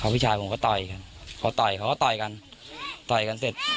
พี่ชายผมก็ต่อยกันเขาต่อยเขาก็ต่อยกันต่อยกันเสร็จ